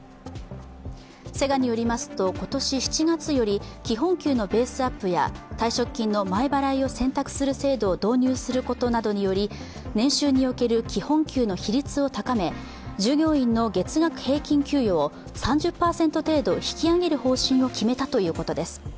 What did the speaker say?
セガによりますと、今年７月より基本給のベースアップや退職金の前払いを選択する制度を導入することなどにより年収における基本給の比率を高め、従業員の月額平均給与を３０％程度引き上げる方針を決めたということです。